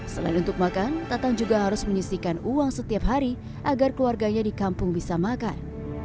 selain untuk makan tatang juga harus menyisikan uang setiap hari agar keluarganya di kampung bisa makan